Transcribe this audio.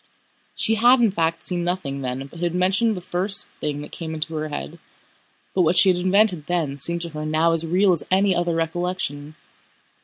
She had in fact seen nothing then but had mentioned the first thing that came into her head, but what she had invented then seemed to her now as real as any other recollection.